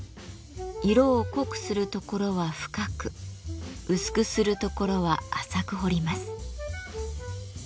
色を濃くするところは深く薄くするところは浅く彫ります。